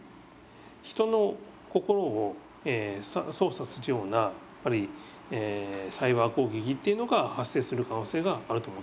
人の心を操作するようなやっぱりサイバー攻撃っていうのが発生する可能性があると思ってます。